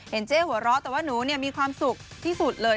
เจ๊หัวเราะแต่ว่าหนูมีความสุขที่สุดเลย